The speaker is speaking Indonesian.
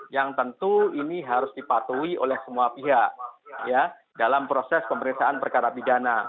yang tentu ini harus dipatuhi oleh semua pihak dalam proses pemeriksaan perkara pidana